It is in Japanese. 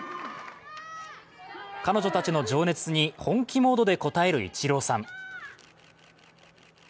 彼女たちの情熱に本気モードで応えるイチローさん。